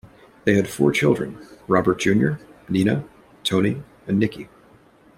They had four children: Robert Junior Nina, Tony and Nicky.